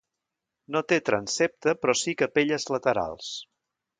No té transsepte però sí capelles laterals.